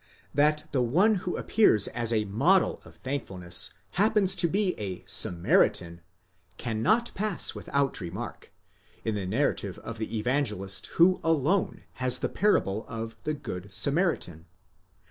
That the one who appears as a model of thankfulness happens to be a Samaritan, can not pass without remark, in the narrative of the Evangelist who alone has the parable of the Good Samaritan.